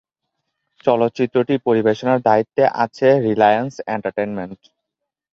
চলচ্চিত্রটি পরিবেশনার দায়িত্বে আছে রিলায়েন্স এন্টারটেইনমেন্ট।